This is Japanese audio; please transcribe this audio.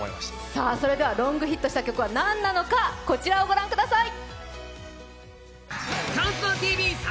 ロングヒットした曲は何なのか、゛こちらをご覧ください。